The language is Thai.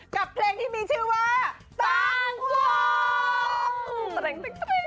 กับเพลงที่มีชื่อว่าตางควง